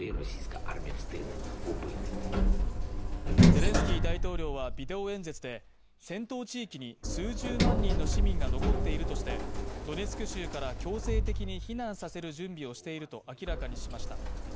ゼレンスキー大統領はビデオ演説で、戦闘地域に数十万人の市民が残っているとしてドネツク州から強制的に避難させる準備をしていると明らかにしました。